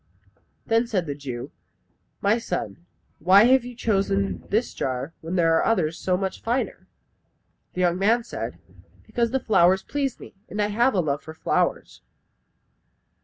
Then said the Jew, "My son, why have you chosen this jar, when there are others so much finer?" The young man said, "Because the flowers please me, and I have a love for flowers."